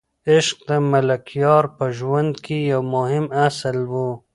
عشق د ملکیار په ژوند کې یو مهم اصل و.